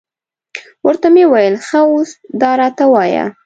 ورته ومې ویل، ښه اوس دا راته ووایه.